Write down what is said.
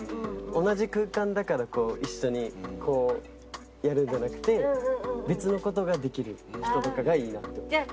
同じ空間だから一緒にこうやるんじゃなくて別の事ができる人とかがいいなって。